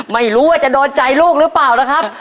ไม่รู้ว่าจะโดนใจลูกหรือเปล่านะครับ